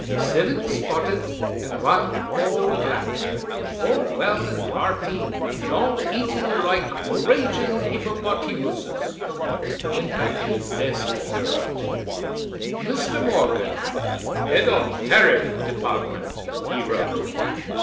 "Sivin spotted an' wan all black. All well an' hearty an' all eatin' loike ragin' hippypottymusses. He went back to his desk and wrote. "Mr. Morgan, Head of Tariff Department," he wrote.